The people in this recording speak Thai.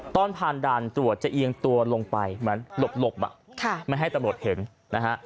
ตอนผ่านดันตรวจจะเอียงตัวลงไปมันหลบหลบมาค่ะไม่ให้ตรวจเห็นนะฮะ